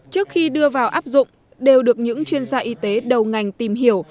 trước khi đưa vào áp dụng đều được những chuyên gia y tế đầu ngành tìm hiểu